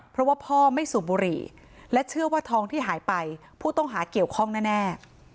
เพราะว่าพ่อไม่สูบบุหรี่และเชื่อว่าทองที่หายไปผู้ต้องหาเกี่ยวข้องแน่